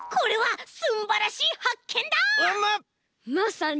まさに。